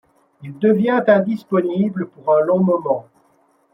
Il devient indisponible pour un long moment.